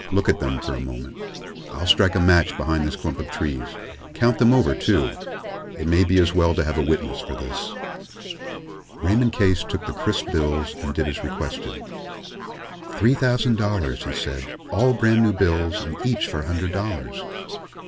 Look at them for a moment. I'll strike a match behind this clump of trees. Count them over, too. It may be as well to have a witness for this." Raymond Case took the crisp bills and did as requested. "Three thousand dollars," he said. "All brand new bills and each for a hundred dollars."